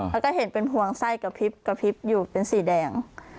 แล้วก็เห็นเป็นห่วงไส้กระพริบอยู่เป็นสีแดง